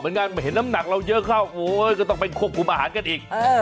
เหมือนกันเห็นน้ำหนักเราเยอะเข้าก็ต้องไปควบคุมอาหารกันอีก